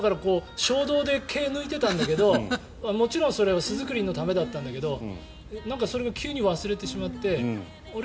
衝動で毛を抜いていたんだけどもちろんそれは巣作りのためだったんだけどなんかそれが急に忘れてしまってあれ？